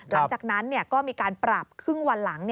หลังจากนั้นก็มีการปรับครึ่งวันหลัง